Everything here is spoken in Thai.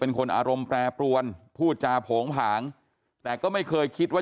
เป็นคนอารมณ์แปรปรวนพูดจาโผงผางแต่ก็ไม่เคยคิดว่า